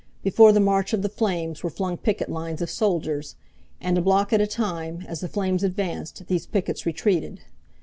Before the march of the flames were flung picket lines of soldiers. And a block at a time, as the flames advanced, these pickets retreated.